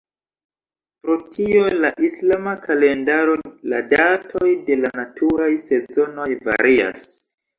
Pro tio la islama kalendaro la datoj de la naturaj sezonoj varias.